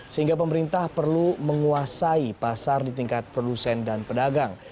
sehingga pemerintah perlu menguasai pasar di tingkat produsen dan pedagang